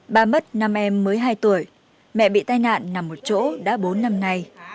bà mất năm em mới hai tuổi mẹ bị tai nạn nằm một chỗ đã bốn năm nay